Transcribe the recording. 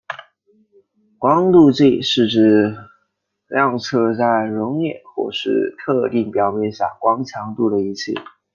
光度计是指量测在溶液或是特定表面下光强度的仪器。